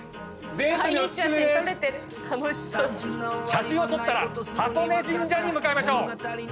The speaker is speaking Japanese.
写真を撮ったら箱根神社に向かいましょう。